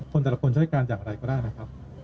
แต่ละคนจะให้การอย่างไรก็ได้นะครับ